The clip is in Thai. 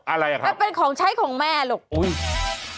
อะไรอ่ะครับมันเป็นของใช้ของแม่ลูกอุ้ย